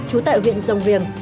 chú tệ huyện rồng riềng